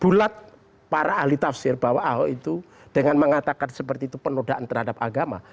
bulat para ahli tafsir bahwa ahok itu dengan mengatakan seperti itu penodaan terhadap agama